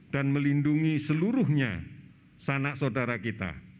dan melindungi seluruhnya sanak saudara kita